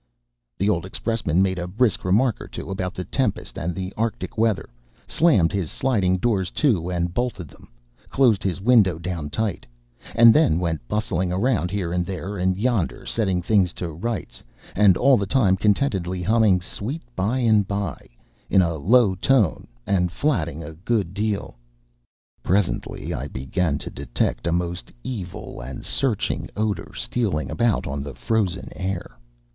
The old expressman made a brisk remark or two about the tempest and the arctic weather, slammed his sliding doors to, and bolted them, closed his window down tight, and then went bustling around, here and there and yonder, setting things to rights, and all the time contentedly humming "Sweet By and By," in a low tone, and flatting a good deal. Presently I began to detect a most evil and searching odor stealing about on the frozen air.